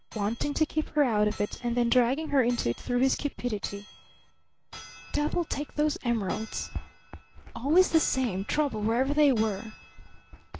Wanting to keep her out of it, and then dragging her into it through his cupidity. Devil take those emeralds! Always the same; trouble wherever they were.